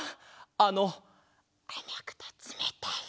あのあまくてつめたい。